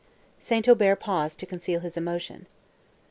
St. Aubert paused to conceal his emotion.